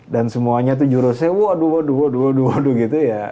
dan semuanya tuh jurusnya waduh waduh waduh waduh gitu ya